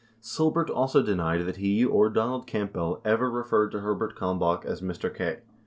49 Silbert also denied that he or Donald Campbell ever referred to Herbert Kalmbach as "Mr. K".